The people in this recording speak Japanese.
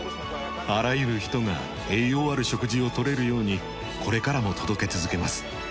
あらゆる人が栄養ある食事を取れるようにこれからも届け続けます。